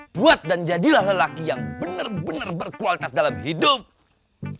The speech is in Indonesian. buat dan jadilah lelaki yang bener bener berkualitas dalam hidup kita